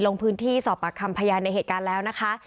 ลงพื้นที่สอบปากคำพยานในเหตุการณ์แล้วนะคะ